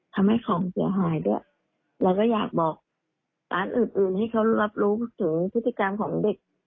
ทำให้ของเสียหายด้วยเราก็อยากบอกร้านอื่นอื่นให้เขารับรู้ถึงพฤติกรรมของเด็ก